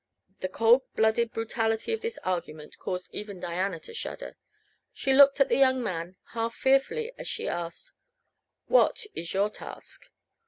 The cold blooded brutality of this argument caused even Diana to shudder. She looked at the young man half fearfully as she asked: "What is your task?"